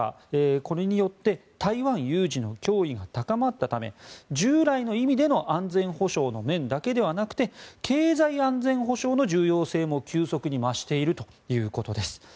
これによって台湾有事の脅威が高まったため従来の意味での安全保障の面だけではなくて経済安全保障の重要性も、急速に増しているということです。